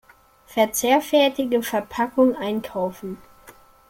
Verzehrfertige Verpackung einkaufen.